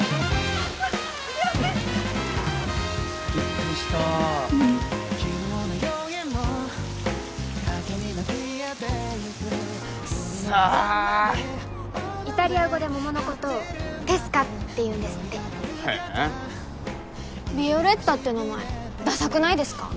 ヤバいびっくりしたうんクソイタリア語で桃のことをペスカっていうんですってへえヴィオレッタって名前ダサくないですか？